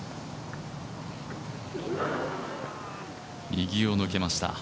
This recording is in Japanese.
右を抜けました。